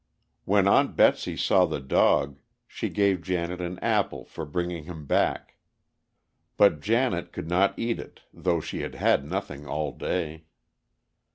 When Aunt Betsy saw the dog, she gave Janet an apple for bringing him back. But Janet could not eat it, though she had had nothing all day.